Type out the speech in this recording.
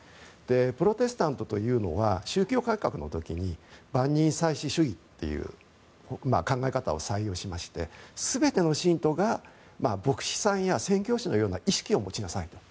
プロテスタントというのは宗教改革の時に万人祭司主義という考え方を採用しまして全ての信徒が、牧師さんや宣教師のような意識を持ちなさいと。